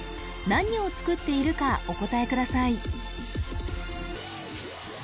何を作っているかお答えください